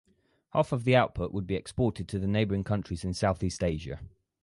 Half of the output would be exported to the neighbouring countries in Southeast Asia.